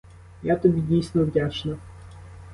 Я тобі дійсно вдячна!